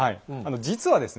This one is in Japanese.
実はですね